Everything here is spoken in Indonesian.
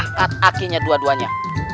angkat aki nya dua duanya